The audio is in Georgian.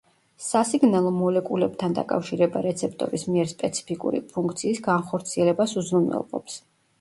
სასიგნალო მოლეკულებთან დაკავშირება რეცეპტორის მიერ სპეციფიკური ფუნქციის განხორციელებას უზრუნველყოფს.